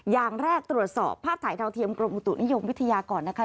อย่างแรกตรวจสอบภาพถ่ายดาวเทียมกรมอุตุนิยมวิทยาก่อนนะคะ